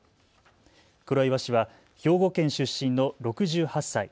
黒岩氏は兵庫県出身の６８歳。